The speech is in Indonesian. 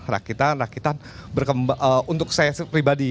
rakitan rakitan berkembang untuk saya pribadi